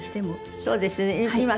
そうですね。